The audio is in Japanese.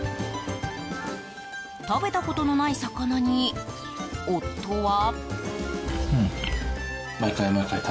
食べたことのない魚に夫は。